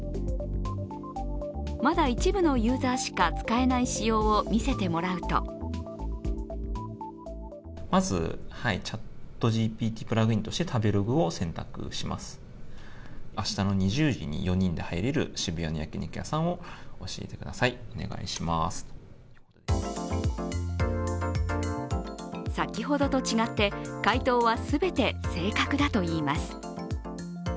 まだ一部のユーザーしか使えない仕様を見せてもらうと先ほどと違って、回答はすべて正確だといいます。